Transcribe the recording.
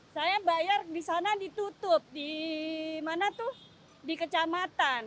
saya bayar di sana ditutup di mana tuh di kecamatan